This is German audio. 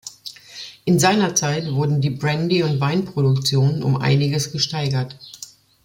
In seiner Zeit wurde die Brandy- und Weinproduktion um einiges gesteigert.